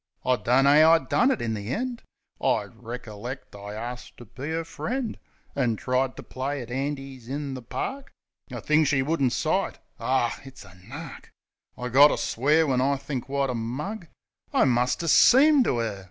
I dunno 'ow I done it in the end. I reckerlect I arst ter be 'er friend; An' tried ter play at 'andies in the park, A thing she wouldn't sight. Aw, it's a nark! I gotter swear when I think wot a mug I must 'a' seemed to 'er.